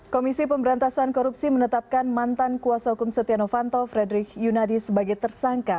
komisi pemberantasan korupsi menetapkan mantan kuasa hukum setia novanto frederick yunadi sebagai tersangka